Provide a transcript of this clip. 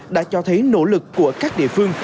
đã cho thấy nỗ lực của các địa phương